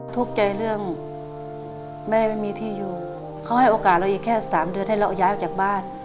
ทุกข์ใจเรื่องแม่ไม่มีที่อยู่เขาให้โอกาสเราอีกแค่สามเดือนให้เราย้ายออกจากบ้าน